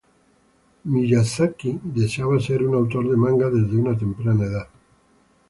Miyazaki deseaba ser un autor de manga desde una temprana edad.